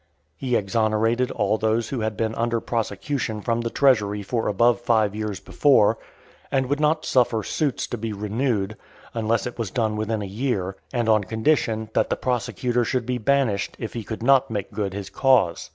He exonerated all those who had been under prosecution from the treasury for above five years before; and would not suffer suits to be renewed, unless it was done within a year, and on condition, that the prosecutor should be banished, if he could not make good his cause.